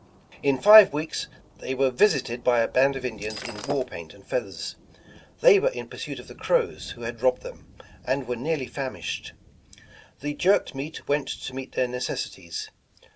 In five wxeks they were visited by a band of Indians in war paint and feathers. They were in pursuit of the Crows, who had robbed them, and were nearly fam ished. The jerked meat went to meet their necessities.